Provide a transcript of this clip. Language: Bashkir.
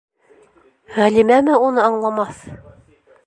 Ғәлимәме уны аңламаҫ?